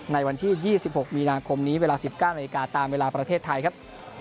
ในวันที่๒๖มีนาคมนี้เวลา๑๙นาฬิกาตามเวลาประเทศไทยครับ